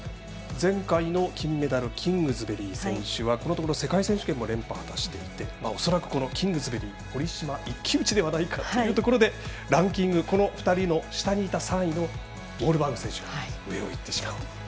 前回の金メダルキングズベリー選手はこのところ、世界選手権も連覇を果たしていて、恐らくキングズベリー、堀島一騎打ちではないかというところランキング、この２人の下にいた３位のウォールバーグ選手が上をいってしまったという。